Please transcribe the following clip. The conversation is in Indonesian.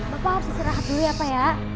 bapak harus istirahat dulu ya pak ya